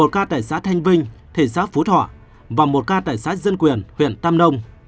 một ca tại xã thanh vinh thị xã phú thọ và một ca tại xã dân quyền huyện tam nông